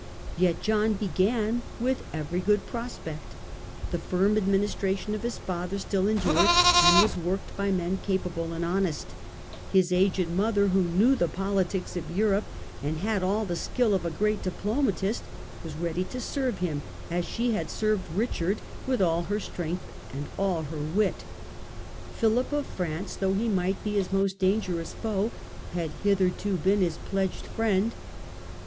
Yet John began with every good prospect. The firm administration of his father still endured, and was worked The peaceful by men Capable and honcst. His aged mother, beginning of who knew the politics of Europe and had all is reign. ^j^^ ^j^^j ^^^ great diplomatist, was ready to serve him, as she had served Richard, with all her strength and all her wit. Philip of France, though he might be his most dangerous foe, had hitherto been his pledged friend.